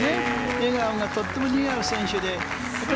笑顔がとっても似合う選手です。